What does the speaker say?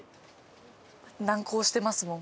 難航してますもん。